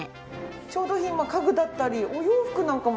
調度品も家具だったりお洋服なんかも展示されてて。